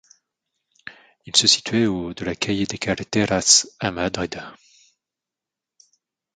Il se situait au de la calle de Carretas, à Madrid.